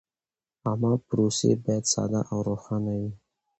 عامه پروسې باید ساده او روښانه وي.